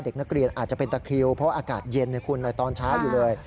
เด็กนักเรียนอาจจะเป็นตะคริวเพราะอากาศเย็นคุณหน่อยตอนเช้าอยู่เลย